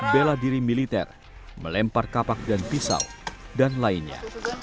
bela diri militer melempar kapak dan pisau dan lainnya